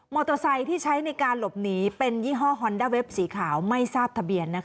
เตอร์ไซค์ที่ใช้ในการหลบหนีเป็นยี่ห้อฮอนด้าเว็บสีขาวไม่ทราบทะเบียน